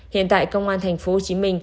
hiện tại công an tp hcm